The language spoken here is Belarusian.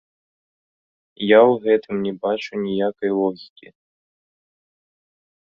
Я ў гэтым не бачу ніякай логікі.